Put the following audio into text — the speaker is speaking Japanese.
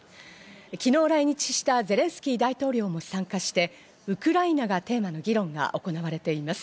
きのう来日したゼレンスキー大統領も参加してウクライナがテーマの議論が行われています。